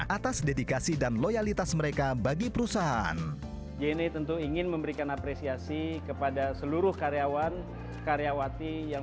atas dedikasi dan loyalitas mereka bagi perusahaan